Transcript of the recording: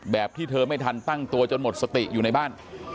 แบบที่เธอไม่ทันตั้งตัวจนหมดสติอยู่ในบ้าน